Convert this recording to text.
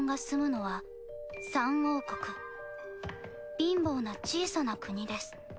貧乏な小さな国です。